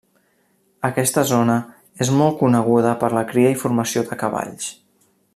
Aquesta zona és molt coneguda per la cria i formació de cavalls.